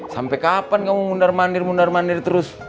sampai kapan kamu mundar mandir mundar mandir terus